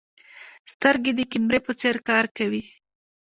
سترګې د کیمرې په څېر کار کوي.